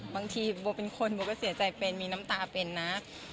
บางทีโบเป็นคนโบก็เสียใจเป็นมีน้ำตาเป็นนะ